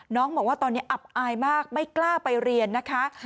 น้องบอกว่าตอนนี้อับอายมากไม่กล้าไปเรียนนะคะ